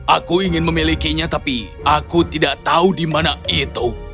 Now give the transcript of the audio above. aku ingin memilikinya tapi aku tidak tahu di mana itu